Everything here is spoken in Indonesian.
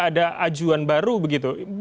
ada ajuan baru begitu